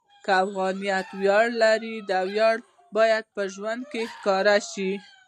که افغانیت ویاړ لري، دا ویاړ باید په ژوند کې ښکاره شي.